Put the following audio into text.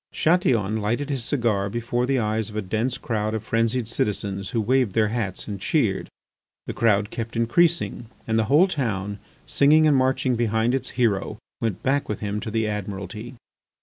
Chatillon lighted his cigar before the eyes of a dense crowd of frenzied citizens who waved their hats and cheered. The crowd kept increasing, and the whole town, singing and marching behind its hero, went back with him to the Admiralty.